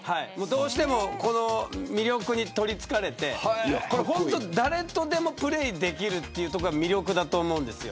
どうしてもこの魅力にとりつかれて本当に誰とでもプレーできるというところが魅力だと思うんです。